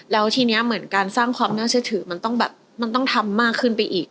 แล้วทีนี้เหมือนการสร้างความน่าเชื่อถือมันต้องแบบมันต้องทำมากขึ้นไปอีก